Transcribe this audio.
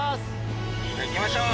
いきましょう。